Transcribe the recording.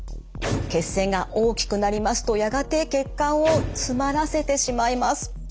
血栓が大きくなりますとやがて血管を詰まらせてしまいます。